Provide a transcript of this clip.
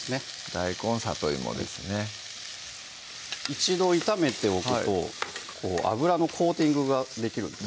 大根・さといもですね一度炒めておくと油のコーティングができるんです